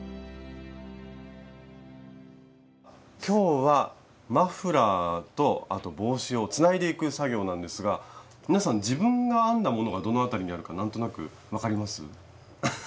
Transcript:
今日はマフラーとあと帽子をつないでいく作業なんですが皆さん自分が編んだものがどのあたりにあるか分かります？